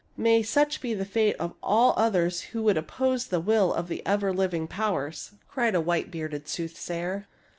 " May such be the fate of all others who would oppose the will of the ever living powers !" cried a white bearded soothsayer.